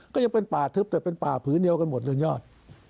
ก็ยังเป็นป่าทึบแต่เป็นป่าผืนเดียวกันหมดเลยยอด